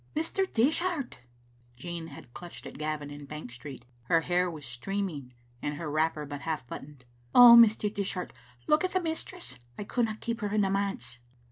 "Mr. Dishart!" Jean had clutched at Gavin in Bank Street. Her hair was streaming, and her wrapper but half buttoned. "Oh, Mr. Dishart, look at the mistress! I couldna keep her in the manse."